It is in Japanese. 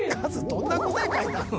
どんな答え書いたの？